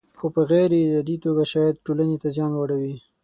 خو په غیر ارادي توګه شاید ټولنې ته زیان واړوي.